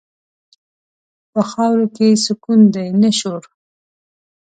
په خاورو کې سکون دی، نه شور.